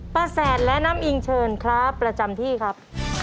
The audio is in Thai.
แสดและน้ำอิงเชิญครับประจำที่ครับ